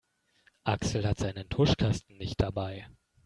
Axel hat seinen Tuschkasten nicht dabei.